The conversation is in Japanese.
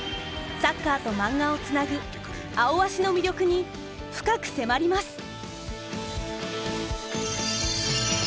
サッカーとマンガをつなぐ「アオアシ」の魅力に深く迫ります。